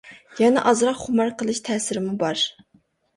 يەنە ئازراق خۇمار قىلىش تەسىرىمۇ بار.